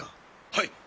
はい。